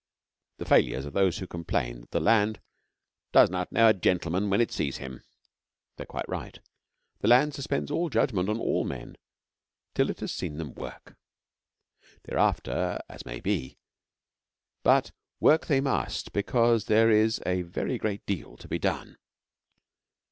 The failures are those who complain that the land 'does not know a gentleman when it sees him.' They are quite right. The land suspends all judgment on all men till it has seen them work. Thereafter as may be; but work they must because there is a very great deal to be done.